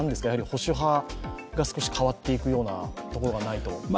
保守派が少し変わっていくようなところがないと。